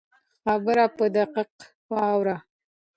خبره په دقت واوره.